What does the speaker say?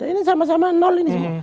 ini sama sama nol ini semua